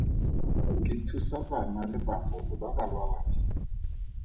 Ke thusa bana le bagolo ba ba lwalang.